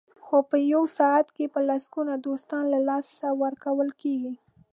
خو په یو ساعت کې په لسګونو دوستان له لاسه ورکول کېږي.